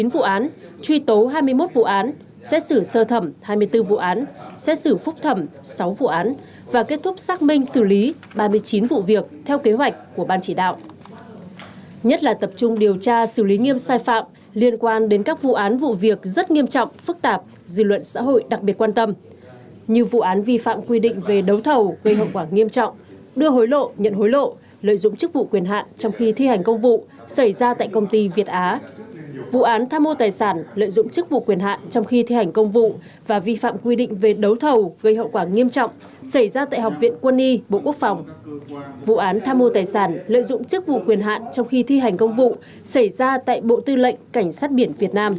vụ án đưa hối lộ nhận hối lộ xảy ra tại cục lãnh sự bộ ngoại giao và một số cơ quan liên quan